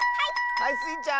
はいスイちゃん。